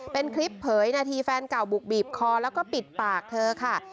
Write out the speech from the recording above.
เป็นคลิปเผยนาทีแฟนเก่าบุกบีบคอแล้วก็ปิดปากเธอค่ะ